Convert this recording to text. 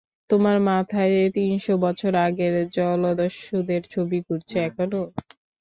তোমার মাথায় তিনশ বছর আগের জলদস্যুদের ছবি ঘুরছে এখনো।